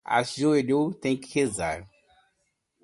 Ajoelhou tem que rezar